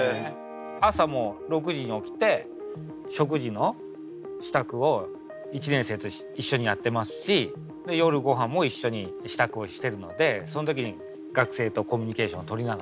朝も６時に起きて食事の支度を１年生と一緒にやってますし夜ごはんも一緒に支度をしてるのでその時に学生とコミュニケーションを取りながら。